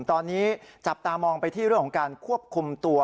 ตอนนี้จับตามองไปที่เรื่องของการควบคุมตัว